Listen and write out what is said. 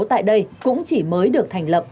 tại đây cũng chỉ mới được thành lập